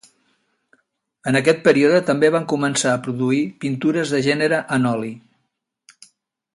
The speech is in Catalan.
En aquest període també va començar a produir pintures de gènere en oli.